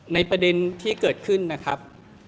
ประเด็นที่เกิดขึ้นนะครับ